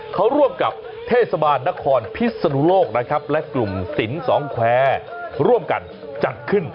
เขาร่วมกับเทศบาลนครพิศนุโลกนะครับและกลุ่มศิลป์สองแควร์ร่วมกันจัดขึ้น